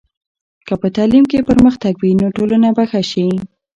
که په تعلیم کې پرمختګ وي، نو ټولنه به ښه شي.